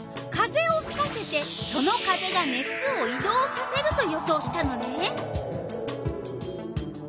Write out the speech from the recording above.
風をふかせてその風が熱をい動させると予想したのね。